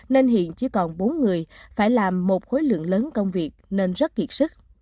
nên hiện chỉ còn bốn người phải làm một khối lượng lớn công việc nên rất kiệt sức